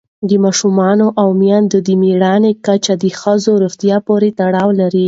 د ماشومانو او میندو د مړینې کچه د ښځو روغتیا پورې تړلې ده.